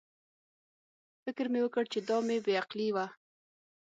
فکر مې وکړ چې دا مې بې عقلي وه.